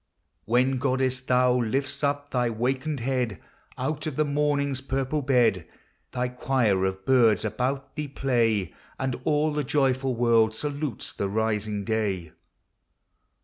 When, goddess, thou lift'st up thy wakened head Out of the morning's purple bed, Thy quire of birds about thee play. And all the joyful world salutes the rising day.